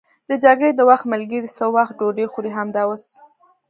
د جګړې د وخت ملګري څه وخت ډوډۍ خوري؟ همدا اوس.